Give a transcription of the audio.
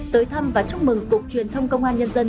tới thăm và chúc mừng cục truyền thông công an nhân dân